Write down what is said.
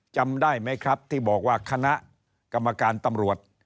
จำได้ไหมครับที่บอกว่าคณะกรรมการตำรวจ